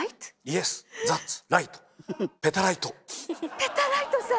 ペタライトさん！